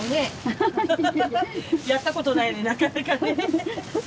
やったことないのになかなかね。